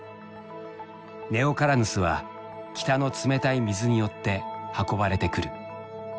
ネオカラヌスは北の冷たい水によって運ばれてくる。